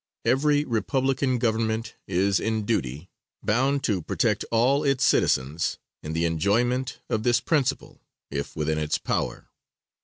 Every Republican government is in duty bound to protect all its citizens in the enjoyment of this principle if within its power."